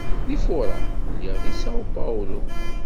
Deg Fuṛaṛ, lliɣ deg Sao Paulo.